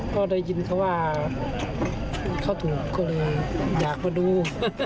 ก็ได้ยินเขาว่าเขาถูกก็เลยอยากมาดู